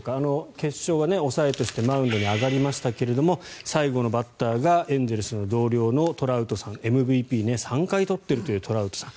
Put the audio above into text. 決勝は抑えとしてマウンドに上がりましたが最後のバッターがエンゼルスの同僚のトラウトさんＭＶＰを３回取っているというトラウトさん。